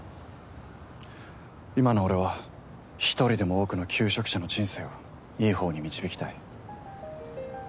今の俺は１人でも多くの求職者の人生をいいほうに導きたい。